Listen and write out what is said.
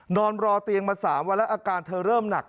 นอนรอเตียงมา๓วันแล้วอาการเธอเริ่มหนัก